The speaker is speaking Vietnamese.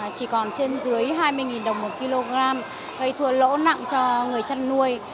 chỉ còn trên dưới hai mươi đồng một kg gây thua lỗ nặng cho người chăn nuôi